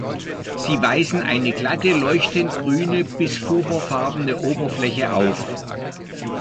Sie weisen eine glatte, leuchtend grüne bis purpurfarben Oberfläche auf.